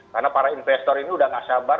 karena para investor ini sudah tidak sabar